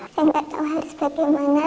saya tidak tahu hal sebagaimana